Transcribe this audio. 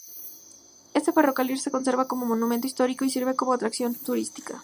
Este ferrocarril se conserva como monumento histórico y sirve como atracción turística.